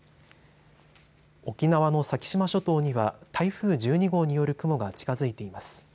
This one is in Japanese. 沖縄の先島諸島には台風１２号による雲が近づいています。